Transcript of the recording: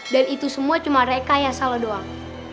dan itu semua cuma reka yang salah doang